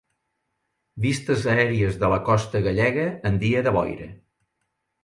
Vistes aèries de la costa gallega en dia de boira.